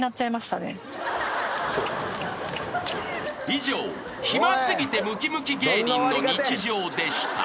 ［以上暇過ぎてむきむき芸人の日常でした］